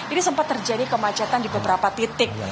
ini sempat terjadi kemacetan di beberapa titik